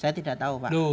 saya tidak tahu pak